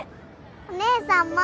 お姉さんも。